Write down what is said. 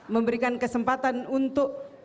memberikan kesempatan untuk